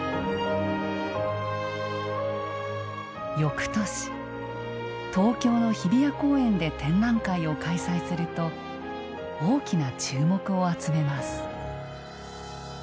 よくとし東京の日比谷公園で展覧会を開催すると大きな注目を集めます。